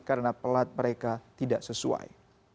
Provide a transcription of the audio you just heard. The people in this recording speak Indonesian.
karena pelat mereka tidak sesuai